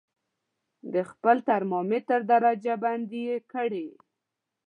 د خپل ترمامتر درجه بندي یې کړئ.